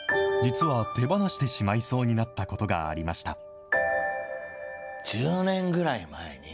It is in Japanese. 実は手放してしまいそうになったことがありました。